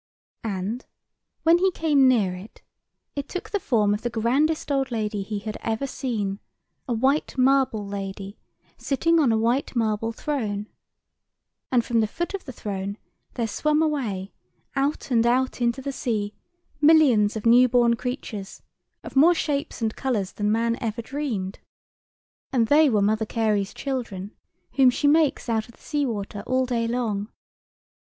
And, when he came near it, it took the form of the grandest old lady he had ever seen—a white marble lady, sitting on a white marble throne. And from the foot of the throne there swum away, out and out into the sea, millions of new born creatures, of more shapes and colours than man ever dreamed. And they were Mother Carey's children, whom she makes out of the sea water all day long.